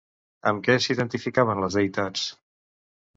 Amb què s'identificaven les deïtats?